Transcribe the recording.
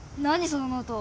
そのノート。